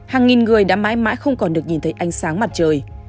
hàng nghìn người đã mãi mãi không còn được nhìn thấy ánh sáng mặt trời